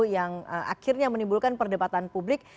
yang akhirnya menimbulkan perdebatan publik